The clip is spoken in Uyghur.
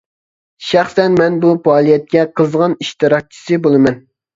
شەخسەن مەن بۇ پائالىيەتكە قىزغىن ئىشتىراكچىسى بولىمەن.